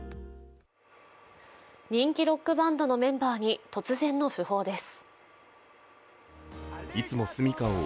人気ロックバンドのメンバーに突然の訃報です。